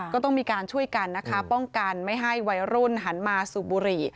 ก็ต้องมีการช่วยกันนะคะป้องกันไม่ให้วัยรุ่นหันมาสูบบุหรี่